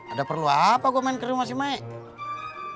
ada perlu apa gue main ke rumah si mike